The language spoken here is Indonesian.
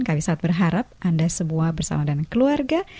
kami saat berharap anda semua bersama dan keluarga